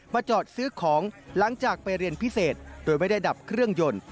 จอดซื้อของหลังจากไปเรียนพิเศษโดยไม่ได้ดับเครื่องยนต์